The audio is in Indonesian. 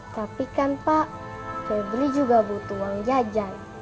tapi kan pak febri juga butuh uang jajan